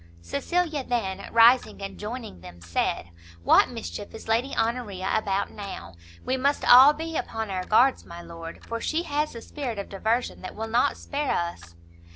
Cecilia then, rising and joining them, said, "What mischief is Lady Honoria about now? we must all be upon our guards, my lord, for she has a spirit of diversion that will not spare us."